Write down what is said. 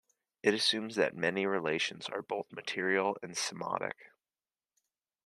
It assumes that many relations are both material and semiotic.